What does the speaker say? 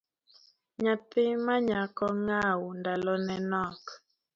Nyathi manyako ng’aw ndalone nok